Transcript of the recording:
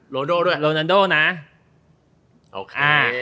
โรนโน้โอย่าง่าย